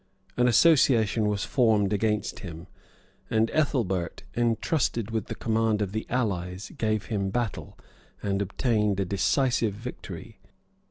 An association was formed against him; and Ethelbeit, intrusted with the command of the allies, gave him battle, and obtained a decisive victory.